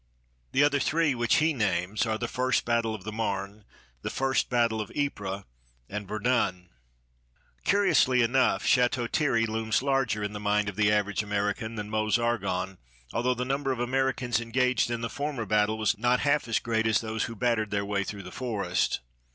The other three which he names are the first battle of the Marne, the first battle of Ypres, and Verdun. Curiously enough, Château Thierry looms larger in the mind of the average American than Meuse Argonne, although the number of Americans engaged in the former battle was not half as great as those who battered their way through the forest.